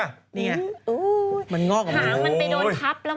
หางมันไปโดนทับแล้วมันก็เลยงอก